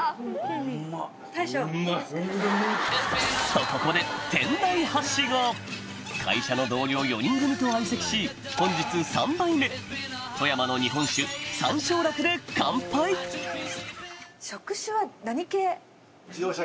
とここで会社の同僚４人組と相席し本日３杯目富山の日本酒「三笑楽」で乾杯自動車。